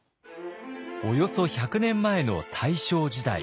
およそ１００年前の大正時代。